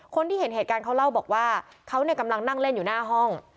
คนที่เห็นเหตุการณ์เขาเล่าบอกว่าเขากำลังนั่งเล่นอยู่หน้าห้อง